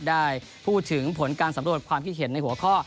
ได้พูดถึงผลการสำรวจความคิดเห็นในหัวข้อ